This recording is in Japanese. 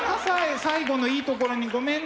最後のいいところにごめんね。